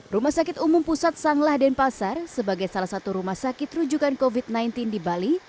rumah sakit umum pusat sanglah denpasar sebagai salah satu rumah sakit rujukan covid sembilan belas di bali